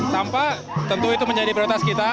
tanpa tentu itu menjadi prioritas kita